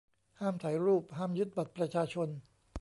ห้ามถ่ายรูป ห้ามยึดบัตรประชาชน